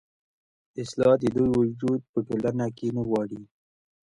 اصـلا د دوي وجـود پـه ټـولـنـه کـې نـه غـواړي.